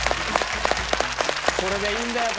これがいいんだよ。